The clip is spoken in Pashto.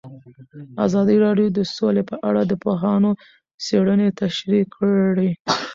ازادي راډیو د سوله په اړه د پوهانو څېړنې تشریح کړې.